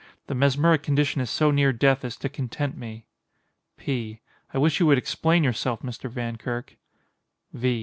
The mesmeric condition is so near death as to content me. P. I wish you would explain yourself, Mr. Vankirk. _V.